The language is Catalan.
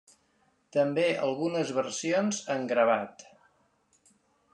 També algunes versions en gravat.